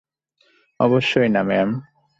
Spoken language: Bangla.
অবশ্যই না, ম্যাম!